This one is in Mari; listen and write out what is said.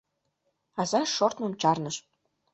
Аза шортмым чарныш.